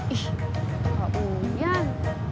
ih kak uian